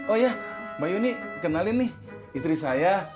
oh ya mbak yuni kenalin nih istri saya